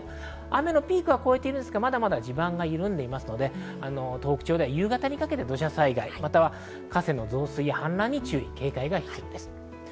雨のピークは越えていますが、まだまだ地盤が緩んでいますので、東北地方では夕方にかけて土砂災害、河川の増水、はん濫に注意・警戒が必要です。